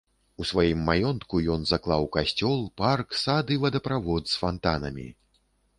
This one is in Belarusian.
У сваім маёнтку ён заклаў касцёл, парк, сад і водаправод з фантанамі.